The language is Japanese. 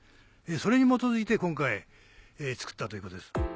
それに基づいて今回作ったということです。